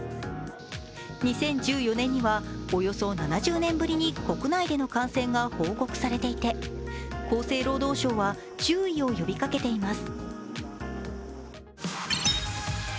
２０１４年にはおよそ７０年ぶりに国内での感染が報告されていて厚生労働省は注意を呼びかけています。